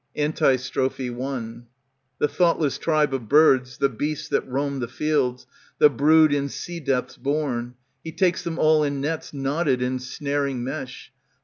Antistrophe I The thoughtless tribe of birds. The beasts that roam the fields, The brood in sea depths born. He takes them all in nets Knotted in snaring mesh.